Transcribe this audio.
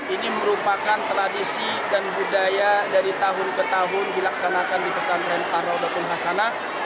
ini merupakan tradisi dan budaya dari tahun ke tahun dilaksanakan di pesantren paradokun hasanah